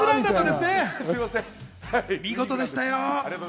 見事でしたよ。